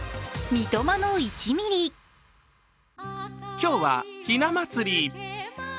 今日はひな祭り。